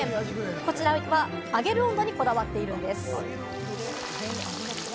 こだわりは揚げる温度にこだわっているんです。